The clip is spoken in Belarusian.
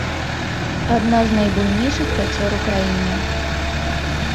Адна з найбуйнейшых пячор у краіне.